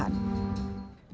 dan menarik untuk penerjunan